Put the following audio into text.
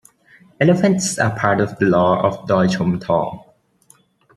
Elephants are part of the lore of Doi Chom Thong.